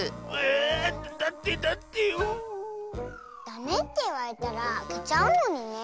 ダメっていわれたらあけちゃうのにね。